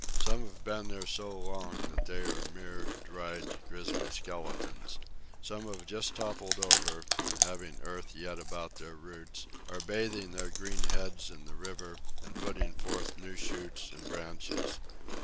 Some have been there so long, that they are mere dry, grizzly skeletons. Some have just toppled over, and having earth yet about their roots, are bathing their green heads in the river, and putting forth new shoots and branches.